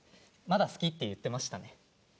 まだ好きって言ってましたね。